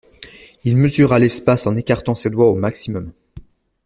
Il mesura l'espace en écartant ses doigts au maximum.